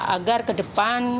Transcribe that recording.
agar ke depan